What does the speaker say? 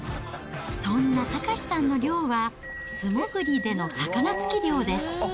そんな岳さんの漁は、素潜りでの魚突き漁です。